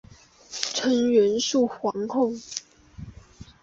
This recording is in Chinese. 纯元肃皇后。